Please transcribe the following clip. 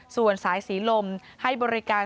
ส่วนสายสีลมให้บริการ